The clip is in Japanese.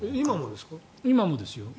今もですよ。